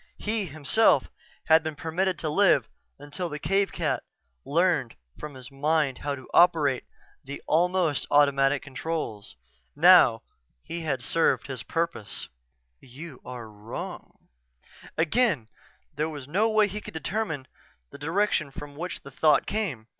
He, himself, had been permitted to live until the cave cat learned from his mind how to operate the almost automatic controls. Now, he had served his purpose "You are wrong." Again there was no way he could determine the direction from which the thought came.